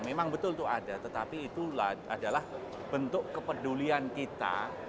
memang betul itu ada tetapi itulah bentuk kepedulian kita